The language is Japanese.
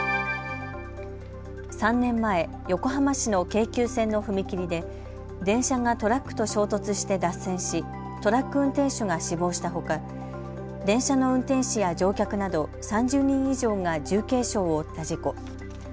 ３年前、横浜市の京急線の踏切で電車がトラックと衝突して脱線しトラック運転手が死亡したほか電車の運転士や乗客など３０人以上が重軽傷を負った事故。